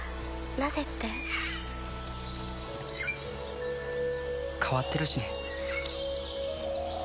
なぜって変わってるしね